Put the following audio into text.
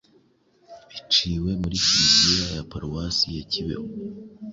biciwe muri kiliziya ya paruwasi ya Kibeho.